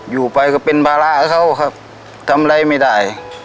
อยู่ไปก็เป็นภาระเขาครับทำอะไรไม่ได้